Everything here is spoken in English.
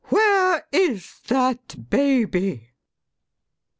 Where is that baby?